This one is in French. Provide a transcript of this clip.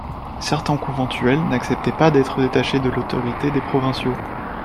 Certains conventuels n'acceptaient pas d'être détachés de l'autorité des provinciaux.